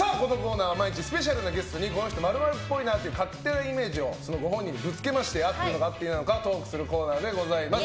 このコーナーは毎日スペシャルなゲストにこの人○○っぽいなという勝手なイメージをご本人にぶつけまして合っているのか合っていないのかトークするコーナーでございます。